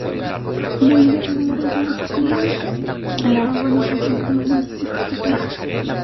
Una línea regular de autobuses comunica la urbanización con los municipios cercanos.